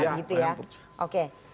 boleh ya boleh ampun